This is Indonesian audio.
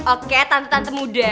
oke tante tante muda